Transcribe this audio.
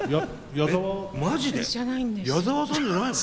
矢沢さんじゃないの？